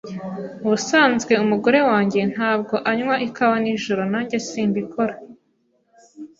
Ubusanzwe umugore wanjye ntabwo anywa ikawa nijoro. Nanjye simbikora.